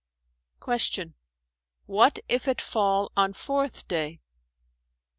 Q "What if it fall on Fourth Day?"